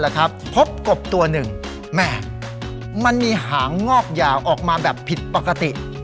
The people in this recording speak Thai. แล้วครับพบกบตัวหนึ่งแหมมันมีหางงอกยาออกมาแบบผิดปกติ